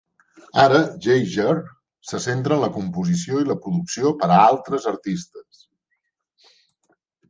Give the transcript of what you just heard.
Ara Geiger se centra en la composició i la producció per a altres artistes.